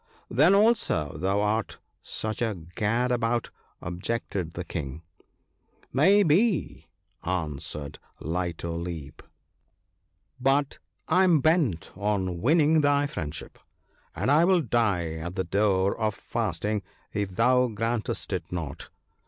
' Then, also, thou art such a gad about/ objected the King. ' May be,' answered Light o' Leap ;* but I am bent on THE WINNING OF FRIENDS. 39 winning thy friendship, and I will die at thy door of fast ing if thou grantest it not.